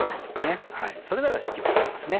それなら式は合ってますね。